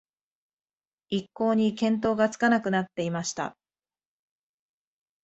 一向に見当がつかなくなっていました